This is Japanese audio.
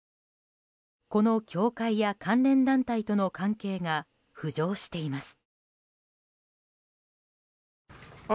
この教会や関連団体との関係が浮上しています。